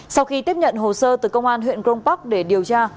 sau khi tiếp nhận hồ sơ từ công an huyện grong park để điều tra